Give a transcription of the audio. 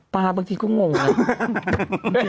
ปลาบางทีก็งงน่ะ